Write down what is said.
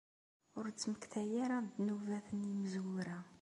Ur d-ttmektay ara d ddnubat n yimezwura.